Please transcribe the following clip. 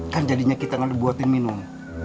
kan jadinya kita nggak dibuatin minum